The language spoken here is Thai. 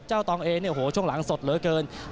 ตองเอเนี่ยโอ้โหช่วงหลังสดเหลือเกิน